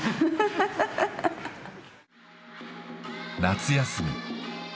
夏休み。